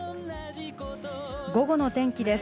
午後の天気です。